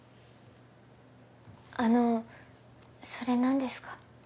あのそれ何ですか？